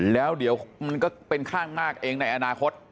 แล้วเดี๋ยวมันก็เป็นข้างมากเองในอนาคต